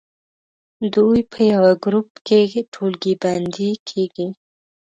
دوی په یوه ګروپ کې ټولګی بندي کیږي.